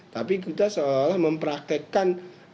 tapi kita seolah olah mempraktekkan